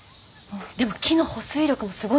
でも木の保水力もすごいんです。